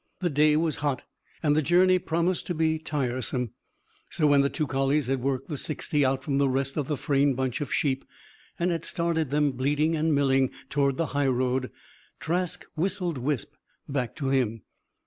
The day was hot; and the journey promised to be tiresome. So, when the two collies had worked the sixty out from the rest of the Frayne bunch of sheep and had started them, bleating and milling, toward the highroad, Trask whistled Wisp back to him.